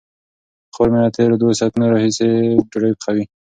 خور مې له تېرو دوو ساعتونو راهیسې ډوډۍ پخوي.